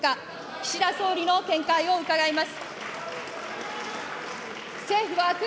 岸田総理の見解を伺います。